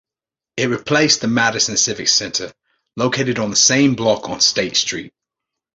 It replaced the Madison Civic Center, located on the same block on State Street.